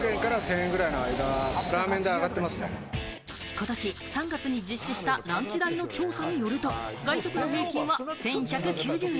ことし３月に実施したランチ代の調査によると、外食の平均は１１９０円。